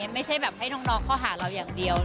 ไม่ใช่แบบให้น้องเข้าหาเราอย่างเดียว